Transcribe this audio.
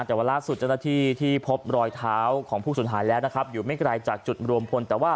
แต่ว่าล่าสุดเจ้าหน้าที่ที่พบรอยเท้าของผู้สูญหายแล้วนะครับอยู่ไม่ไกลจากจุดรวมพลแต่ว่า